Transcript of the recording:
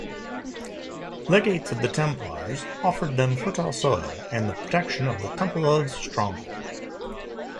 Legates of the Templars offered them fertile soil and the protection of "Tempelhove's" stronghold.